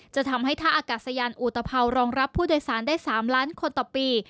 จะทำให้ท่าอากาศยานอุตภาวรองรับผู้โดยสารได้๓ล้านคนต่อปี